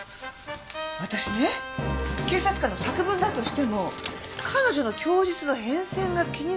私ね警察官の作文だとしても彼女の供述の変遷が気になるのよ。